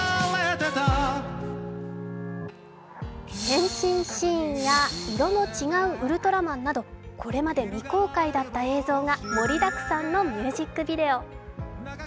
変身シーンや色の違うウルトラマンなどこれまで未公開だった映像が盛りだくさんのミュージックビデオ。